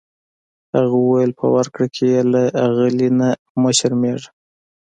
هغه وویل په ورکړه کې یې له اغلې نه مه شرمیږه.